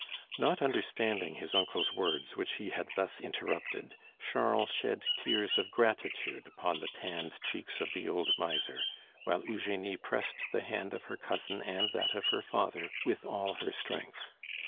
Not understanding his uncle's words which he had thus interrupted, Charles shed tears of gratitude upon the tanned cheeks of the old miser, while Eugenie pressed the hand of her cousin and that of her father with all her strength.